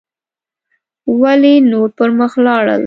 ولې نور پر مخ لاړل